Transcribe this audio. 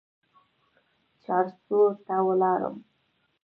چارسو ته ولاړم.